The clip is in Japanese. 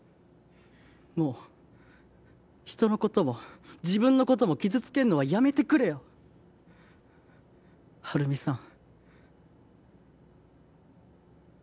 もう人のことも自分のことも傷つけんのはやめてくれよはるみさん